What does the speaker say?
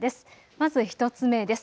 まず１つ目です。